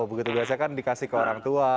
begitu biasanya kan dikasih ke orang tua